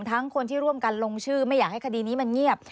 ทั้งคนที่ร่วมกันลงชื่อไม่อยากให้คดีนี้มันเงียบ